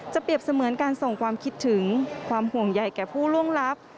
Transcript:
เปรียบเสมือนการส่งความคิดถึงความห่วงใหญ่แก่ผู้ล่วงลับ